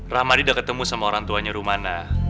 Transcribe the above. rahmadi udah ketemu sama orang tuanya rumana